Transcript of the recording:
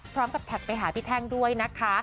พร้อมกับแท็กไปหาพี่แท้งด้วยนะคะ